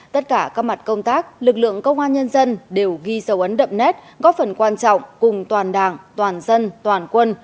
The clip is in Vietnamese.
tất cả các mặt công tác lực lượng công an nhân dân đều ghi dấu ấn đậm nét góp phần quan trọng cùng toàn đảng toàn dân toàn quân